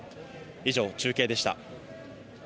以上、中継でした。